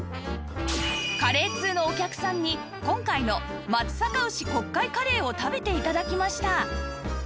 カレー通のお客さんに今回の松阪牛国会カレーを食べて頂きました